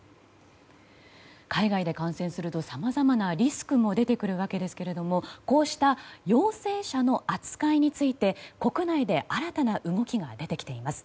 海外で感染するとさまざまなリスクも出てくるわけですがこうした陽性者の扱いについて国内で新たな動きが出てきています。